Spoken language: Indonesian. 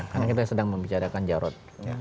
karena kita sedang membicarakan jarut